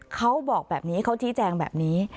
เขาบอกแบบนี้เขาชี้แจงแบบนี้